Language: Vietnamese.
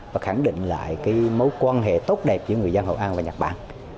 và khẳng định lại cái mối quan hệ tốt đẹp giữa người dân hội an và nhật bản